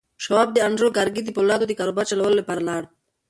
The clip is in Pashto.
شواب د انډريو کارنګي د پولادو د کاروبار چلولو لپاره لاړ.